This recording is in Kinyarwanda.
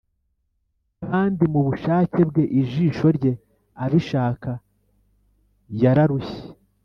kandi mubushake bwe ijisho rye abishaka yararushye.